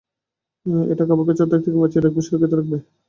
এটা কাপড়কে ছত্রাক থেকে বাঁচিয়ে রাখবে, সুরক্ষিত রাখবে।